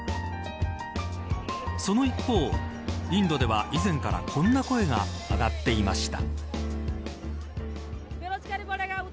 その一方、インドでは以前からこんな声が上がっていました。